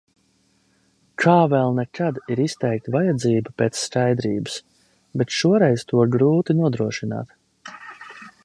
Kā vēl nekad, ir izteikta vajadzība pēc skaidrības. Bet šoreiz to grūti nodrošināt.